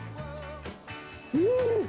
うん！